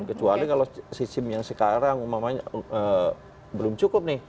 kecuali kalau sistem yang sekarang umumnya belum cukup nih